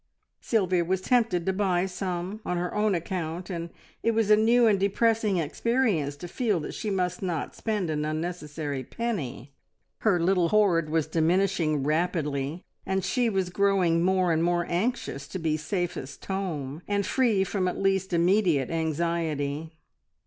Sylvia was tempted to buy some on her own account, and it was a new and depressing experience to feel that she must not spend an unnecessary penny. Her little hoard was diminishing rapidly, and she was growing more and more anxious to be safest home, and free from at least immediate anxiety.